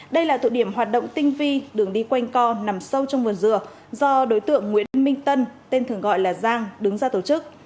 đây là tụ điểm hoạt động tinh vi đường đi quanh co nằm sâu trong vườn dừa do đối tượng nguyễn minh tân tên thường gọi là giang đứng ra tổ chức